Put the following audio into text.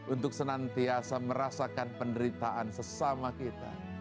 untuk senantiasa merasakan penderitaan sesama kita